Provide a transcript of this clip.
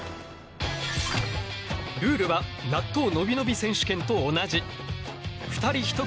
ルールは納豆のびのび選手権と同じ。